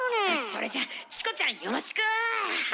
それじゃチコちゃんよろしく！